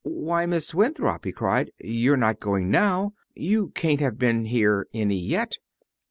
"Why, Miss Winthrop," he cried, "you're not going now! You can't have been here any yet!"